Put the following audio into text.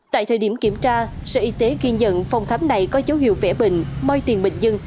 tại thời điểm kiểm tra sở y tế ghi nhận phòng khám này có dấu hiệu vẽ bệnh moi tiền bệnh dưng